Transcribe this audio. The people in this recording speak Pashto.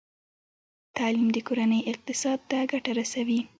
تعلیم د کورنۍ اقتصاد ته ګټه رسوي۔